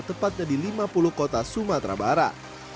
tepatnya di lima puluh kota sumatera barat